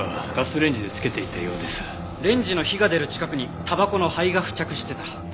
レンジの火が出る近くにタバコの灰が付着してた。